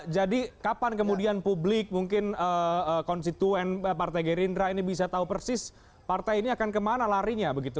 jadi kapan kemudian publik mungkin konstituen partai gerindra ini bisa tahu persis partai ini akan kemana larinya begitu